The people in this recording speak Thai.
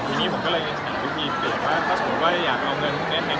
ปีนี้ผมก็เลยหาวิทยุควีสเเบียกว่าถ้าสมมติก็อยากจะมีเงินแทน